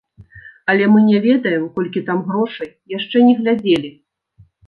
Але мы не ведаем, колькі там грошай, яшчэ не глядзелі.